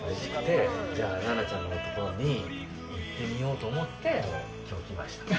じゃあ、ななちゃんのところに行ってみようと思って今日、来ました。